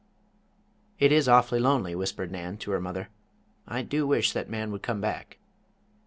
"It is awfully lonely," whispered Nan, to her mother, "I do wish that man would come back."